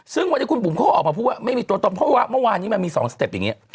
ซึ่งวันนี้คุณบุ๋มเขาก็ออกมาพูดว่าไม่มีตัวตนเพราะว่าเมื่อวานนี้มันมี๒สเต็ปอย่างนี้